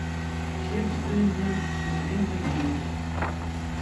Ҫепӗҫ туйӑмсем ҫӗнӗрен вӑй илӗҫ.